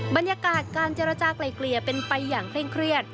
บรรยากาศการเจรจากลายเกลี่ยเป็นไปอย่างเคร่งเครียด